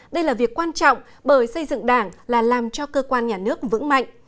đây là việc quan trọng bởi xây dựng đảng là làm cho cơ quan nhà nước vững mạnh